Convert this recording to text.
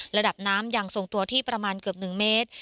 ระดับน้ำยังทรงตัวที่ประมาณเกือบ๑เมตร